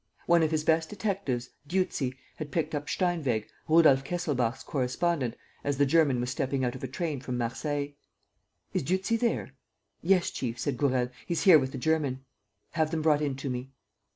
One of his best detectives, Dieuzy, had picked up Steinweg, Rudolf Kesselbach's correspondent, as the German was stepping out of a train from Marseilles. "Is Dieuzy there?" "Yes, chief," said Gourel. "He's here with the German." "Have them brought in to me."